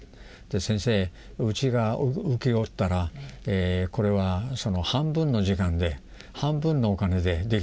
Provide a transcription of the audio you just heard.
「先生うちが請け負ったらこれは半分の時間で半分のお金でできます」と。